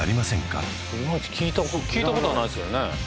知らないいまいち聞いたことないですよね